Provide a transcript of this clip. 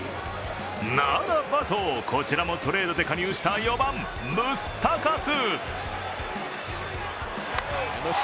ならばと、こちらもトレードで加入した４番・ムスタカス。